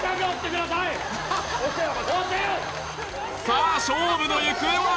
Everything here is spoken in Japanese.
さあ勝負の行方は？